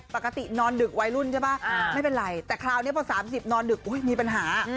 ปกตินอนดึกวัยรุ่นใช่ป่ะไม่เป็นไรแต่คราวนี้พอ๓๐นอนดึกมีปัญหา